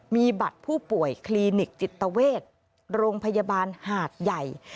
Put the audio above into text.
มีบัตรผู้ป่วยคลินิกจิตเวชโรงพยาบาลหาดใหญ่